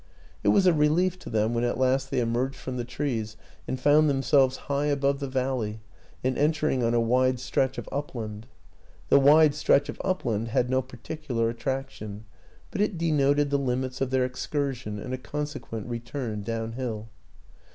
It was a relief to them when at last they emerged from the trees and found them selves high above the valley and entering on a wide stretch of upland; the wide stretch of up land had no particular attraction, but it denoted the limits of their excursion and a consequent re turn downhill.